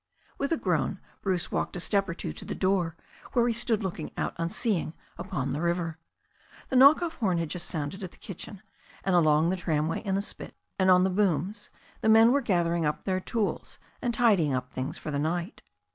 With a groan Bruce walked a step or two to the door, where he stood looking out unseeing upon the river. The knock off horn had just sounded at the kitchen, and along the tramway and the spit and on the booms the men were gathering up their tools, and tidying up things for the night.